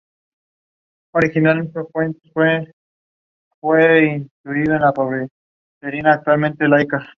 Para el usuario, el servicio se encuentra baja una misma cuenta.